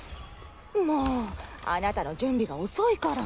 もうあなたの準備が遅いから。